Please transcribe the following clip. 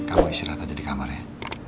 kamu istirahat aja di kamar ya